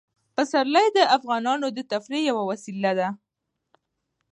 پسرلی د افغانانو د تفریح یوه وسیله ده.